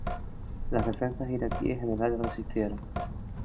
Las defensas iraquíes en el área resistieron.